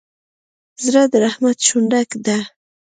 زړه د رحمت شونډه ده.